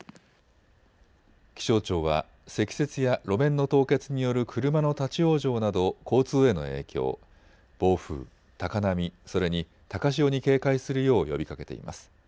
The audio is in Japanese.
気象庁は積雪や路面の凍結による車の立往生など交通への影響、暴風、高波それに高潮に警戒するよう呼びかけています。